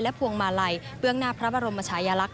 พวงมาลัยเบื้องหน้าพระบรมชายลักษ